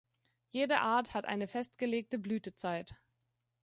Jede Art hat eine festgelegte Blütezeit.